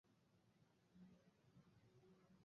এটি ক্রিক কাউন্টির কাউন্টি আসন।